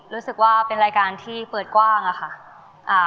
รู้สึกว่าเป็นรายการที่เปิดกว้างอะค่ะ